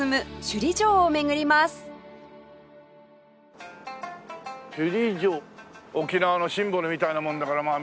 首里城沖縄のシンボルみたいなもんだからまあ